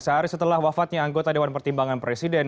sehari setelah wafatnya anggota dewan pertimbangan presiden